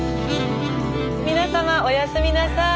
皆様おやすみなさい。